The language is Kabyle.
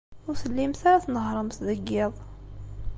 Ur tellimt ara tnehhṛemt deg yiḍ.